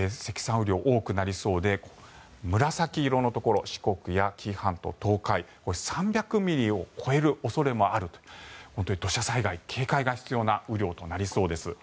雨量、多くなりそうで紫色のところ四国や紀伊半島、東海３００ミリを超える恐れもあるという本当に土砂災害、警戒が必要な雨量となりそうです。